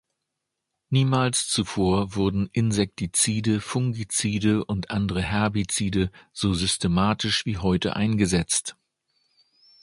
Niemals zuvor wurden Insektizide, Fungizide und andere Herbizide so systematisch wie heute eingesetzt.